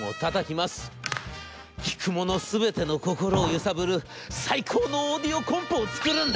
『聴く者全ての心を揺さぶる最高のオーディオコンポを作るんだ！』。